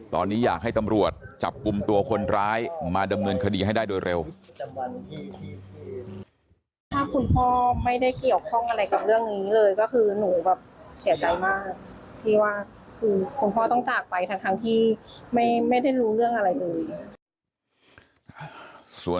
ตอนนี้อยากให้ตำรวจจับกลุ่มตัวคนร้ายมาดำเนินคดีให้ได้โดยเร็ว